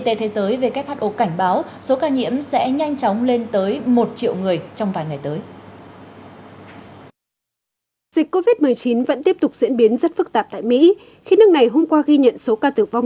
dịch covid một mươi chín vẫn tiếp tục diễn biến rất phức tạp tại mỹ khi nước này hôm qua ghi nhận số ca tử vong